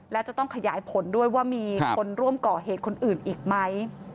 และจะต้องขยายผลด้วยว่ามีคนร่วมก่อเหตุคนอื่นอีกไหม